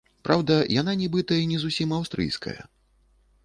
Праўда, яна нібыта і не зусім аўстрыйская.